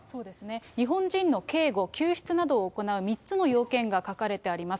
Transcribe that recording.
日本人の警護・救出などを行う３つの要件が書かれてあります。